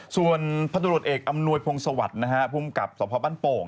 ส่วนพันธุรกิจเอกอำนวยพงศวรรค์นะฮะภูมิกับสพบ้านโป่ง